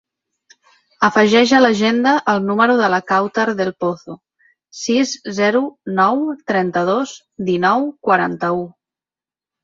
Afegeix a l'agenda el número de la Kawtar Del Pozo: sis, zero, nou, trenta-dos, dinou, quaranta-u.